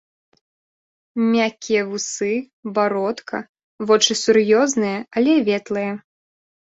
Мяккія вусы, бародка, вочы сур'ёзныя, але ветлыя.